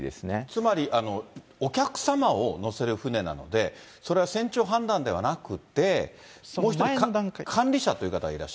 つまりお客様を乗せる船なので、それは船長判断ではなくて、そうですね。